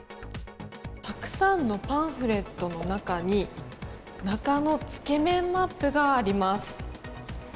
たくさんのパンフレットの中に、中野つけ麺マップがあります。